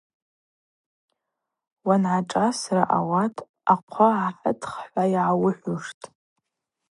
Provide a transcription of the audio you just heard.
Уангӏашӏасра ауат – Ахъвы гӏахӏытх – хӏва йгӏауыхӏвуштӏ.